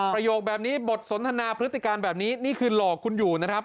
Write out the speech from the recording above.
โยคแบบนี้บทสนทนาพฤติการแบบนี้นี่คือหลอกคุณอยู่นะครับ